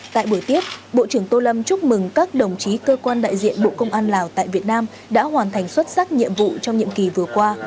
tại buổi tiếp bộ trưởng tô lâm chúc mừng các đồng chí cơ quan đại diện bộ công an lào tại việt nam đã hoàn thành xuất sắc nhiệm vụ trong nhiệm kỳ vừa qua